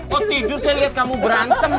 kok tidur saya lihat kamu berantem